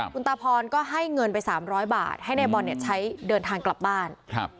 คุณตาพรก็ให้เงินไป๓๐๐บาทให้นายบอลเนี่ยใช้เดินทางกลับบ้าน